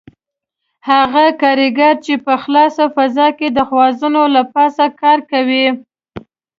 هغه کاریګر چې په خلاصه فضا کې د خوازونو له پاسه کار کوي.